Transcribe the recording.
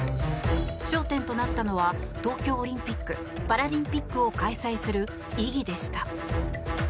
焦点となったのは東京オリンピック・パラリンピックを開催する意義でした。